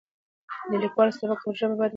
د لیکوالو سبک او ژبه باید وڅېړل شي.